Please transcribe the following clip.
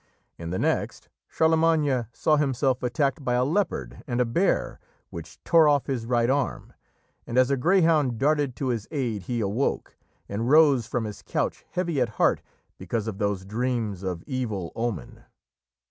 In the next, Charlemagne saw himself attacked by a leopard and a bear, which tore off his right arm, and as a greyhound darted to his aid he awoke, and rose from his couch heavy at heart because of those dreams of evil omen.